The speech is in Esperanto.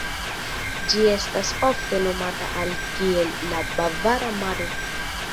Ĝi estas ofte nomata al kiel la "Bavara Maro".